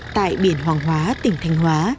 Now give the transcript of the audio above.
tại biển hoàng hóa tỉnh thành hóa